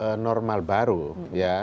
masuk normal baru ya